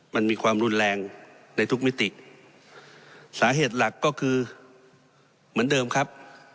มันมีความรุนแรงในทุกมิติสาเหตุหลักก็คือเหมือนเดิมครับ